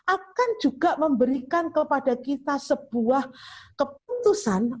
akan juga memberikan kepada kita sebuah keputusan